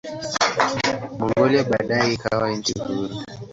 Mongolia baadaye ikawa nchi huru.